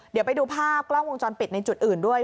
เดี๋ยวไปดูภาพกล้องวงจรปิดในจุดอื่นด้วย